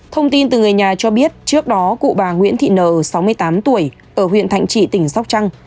thông tin từ người nhà cho biết trước đó cụ bà nguyễn thị n sáu mươi tám tuổi ở huyện thạnh trị tỉnh sóc trăng